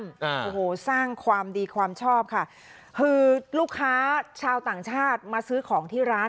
โอ้โหสร้างความดีความชอบค่ะคือลูกค้าชาวต่างชาติมาซื้อของที่ร้าน